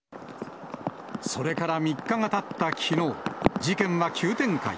それから３日がたったきのう、事件は急展開。